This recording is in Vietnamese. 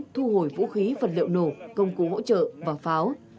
thu hồi vũ khí vật liệu nổ công cụ hỗ trợ và pháo